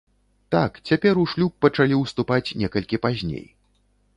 Так, цяпер у шлюб пачалі ўступаць некалькі пазней.